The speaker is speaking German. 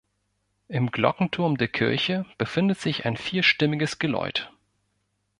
Im Glockenturm der Kirche befindet sich ein vierstimmiges Geläut.